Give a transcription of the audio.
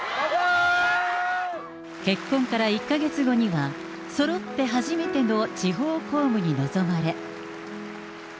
結婚から１か月後には、そろって初めての地方公務に臨まれ。